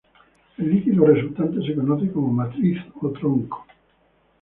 El líquido resultante se conoce como matriz o tronco.